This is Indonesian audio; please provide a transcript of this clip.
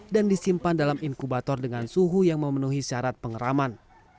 dan disimpan dalam inkubator dengan suhu yang memenuhi syarat pengeraman